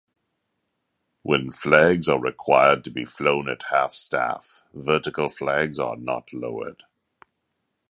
When flags are required to be flown at half-staff, vertical flags are not lowered.